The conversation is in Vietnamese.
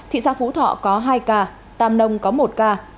thị xã phú thọ có hai ca tam nông có một ca